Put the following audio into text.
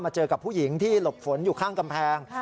เจอกับผู้หญิงที่หลบฝนอยู่ข้างกำแพง